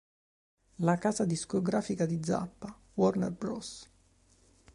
La casa discografica di Zappa, Warner Bros.